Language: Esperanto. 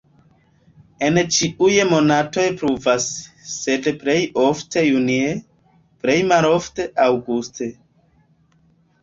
En ĉiuj monatoj pluvas, sed plej ofte junie, plej malofte aŭguste.